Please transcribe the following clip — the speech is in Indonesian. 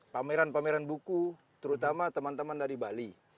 pameran pameran buku terutama teman teman dari bali